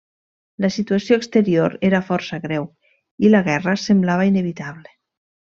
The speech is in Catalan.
La situació exterior era força greu, i la guerra semblava inevitable.